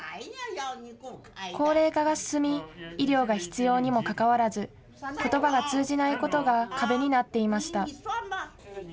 高齢化が進み、医療が必要にもかかわらず、ことばが通じないことが壁になっていました。